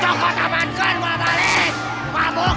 cokot amankan bapak ini mabuk